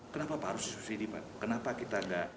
kenapa pak harus disubsidi pak kenapa kita enggak